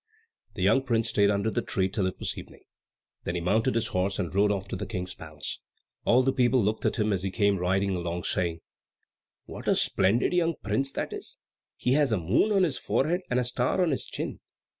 The young prince stayed under the tree till it was evening; then he mounted his horse and rode off to the King's palace. All the people looked at him as he came riding along, saying, "What a splendid young prince that is! He has a moon on his forehead and a star on his chin."